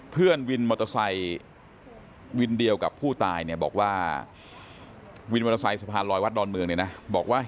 เพื่อนวินมอเตอร์ไซค์